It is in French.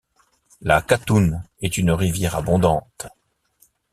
La Katoun est une rivière abondante.